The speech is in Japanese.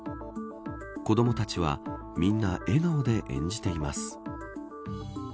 子どもたちはみんな笑顔で演じています。